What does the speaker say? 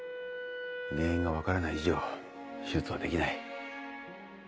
原因が分からない以上手術はできない。